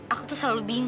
aku tuh selalu bingung